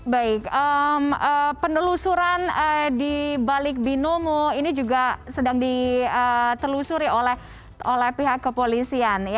baik penelusuran di balik binomo ini juga sedang ditelusuri oleh pihak kepolisian